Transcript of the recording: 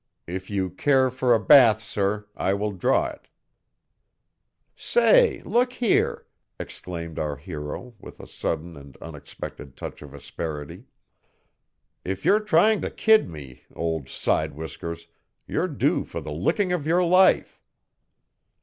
If you care for a bath, sir, I will draw it " "Say, look here," exclaimed our hero with a sudden and unexpected touch of asperity, "if you're trying to kid me, old side whiskers, you're due for the licking of your life."